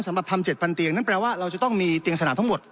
สำหรับทำ๗๐๐เตียงนั่นแปลว่าเราจะต้องมีเตียงสนามทั้งหมด